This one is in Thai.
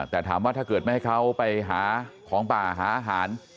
แต่ถามว่าถ้าเกิดไม่ให้เขาไปหาของป่าหาอาหาร